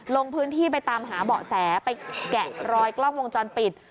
ลงพื้นที่ไปตามหาเบาะแสไปแกะรอยกล้องวงจรปิด